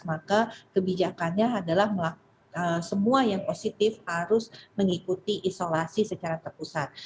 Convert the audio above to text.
maka kebijakannya adalah semua yang positif harus mengikuti isolasi secara terpusat